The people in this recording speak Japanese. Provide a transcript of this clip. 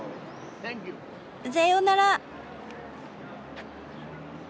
さようなら。